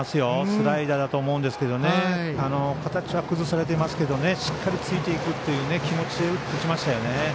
スライダーだと思うんですけど形は崩されていますけどしっかりついていくという気持ちで打ってきましたよね。